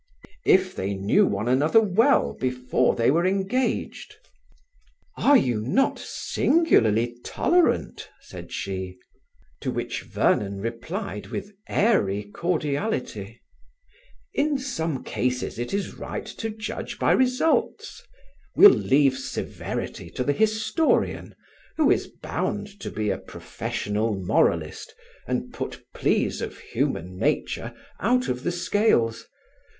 "If they knew one another well before they were engaged." "Are you not singularly tolerant?" said she. To which Vernon replied with airy cordiality: "In some cases it is right to judge by results; we'll leave severity to the historian, who is bound to be a professional moralist and put pleas of human nature out of the scales.